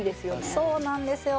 そうなんですよ。